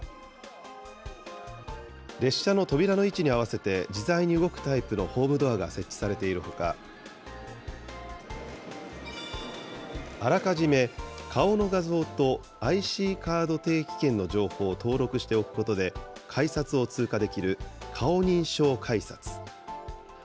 列車の扉の位置に合わせて、自在に動くタイプのホームドアが設置されているほか、あらかじめ顔の画像とＩＣカード定期券の情報を登録しておくことで、改札を通過できる顔認証改札。